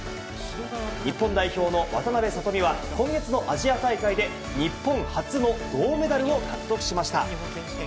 日本代表の渡邉聡美は今月のアジア大会で日本初の銅メダルを獲得しました。